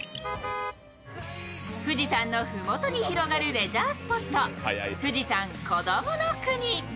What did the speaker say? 富士山の麓に広がるレジャースポット、富士山こどもの国。